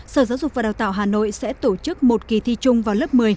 sở giáo dục và đào tạo hà nội sẽ tổ chức một kỳ thi chung vào lớp một mươi